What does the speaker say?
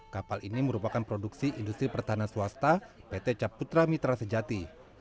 kapal ini merupakan produksi industri pertahanan swasta pt caputra mitra sejati